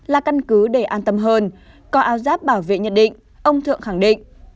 là căn cứ để an tâm hơn có áo giáp bảo vệ nhận định ông thượng khẳng định